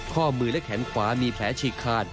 ข้อมือและแขนขวามีแผลฉีกขาด